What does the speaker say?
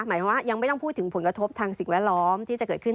หมายความว่ายังไม่ต้องพูดถึงผลกระทบทางสิ่งแวดล้อมที่จะเกิดขึ้น